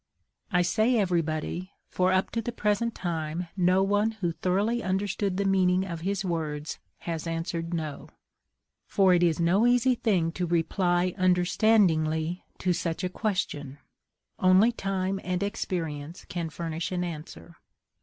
I say everybody, for up to the present time no one who thoroughly understood the meaning of his words has answered no. For it is no easy thing to reply understandingly to such a question; only time and experience can furnish an answer.